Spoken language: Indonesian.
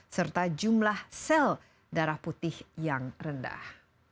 serta jumlah sel darah putih yang rendah